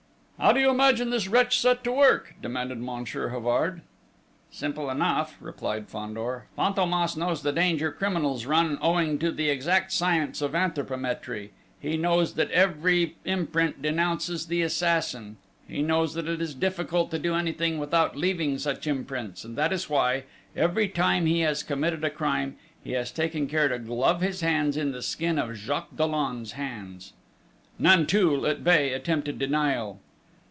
"How do you imagine this wretch set to work?" demanded Monsieur Havard. "Simple enough," replied Fandor.... "Fantômas knows the danger criminals run, owing to the exact science of anthropometry: he knows that every imprint denounces the assassin: he knows that it is difficult to do anything without leaving such imprints and that is why, every time he has committed a crime, he has taken care to glove his hands in the skin of Jacques Dollon's hands." Nanteuil, at bay, attempted denial.